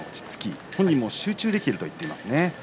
本人も集中できていると言っていますね。